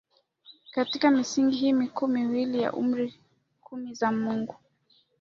katika misingi hii mikuu miwili ya Amri kumi za Mungu